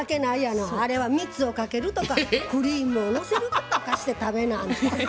あれは蜜をかけるとかクリームをのせるとかして食べなあんた。